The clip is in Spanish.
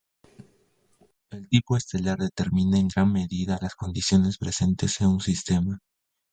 El tipo estelar determina en gran medida las condiciones presentes en un sistema.